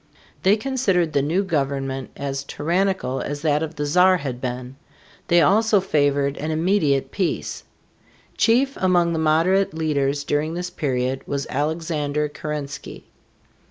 They considered the new government as tyrannical as that of the Czar had been. They also favored an immediate peace. Chief among the moderate leaders during this period was Alexander Keren´sky.